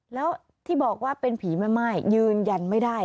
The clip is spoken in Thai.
แล้วที่บอกว่าเป็นผีแม่ม่ายยืนยันไม่ได้